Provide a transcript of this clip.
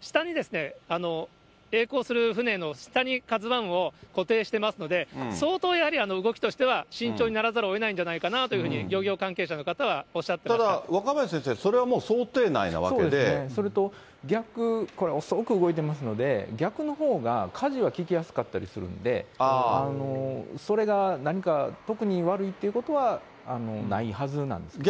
下にえい航する船の下にＫＡＺＵＩを固定してますので、相当やはり、動きとしては慎重にならざるをえないんじゃないかなと、漁業関係ただ、若林先生、そうですね、それと逆、遅く動いてますので、逆のほうがかじは利きやすかったりするんで、それが何か、特に悪いということはないはずなんですよね。